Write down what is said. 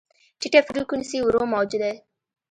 ټیټه فریکونسي ورو موج دی.